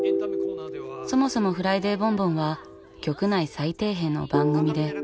そもそも「フライデーボンボン」は局内最底辺の番組で。